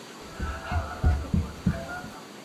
ته د خپل ورور د راتګ په تمه وې.